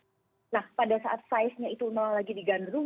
sehingga anda bisa memperoleh untung